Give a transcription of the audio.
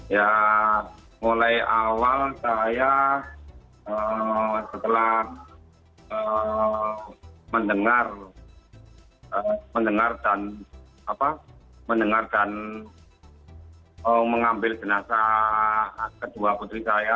ya mulai awal saya setelah mendengar dan mendengarkan mengambil jenazah kedua putri saya